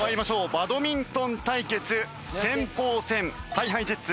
バドミントン対決先鋒戦。ＨｉＨｉＪｅｔｓ